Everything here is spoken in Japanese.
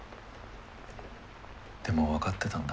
でも分かってたんだ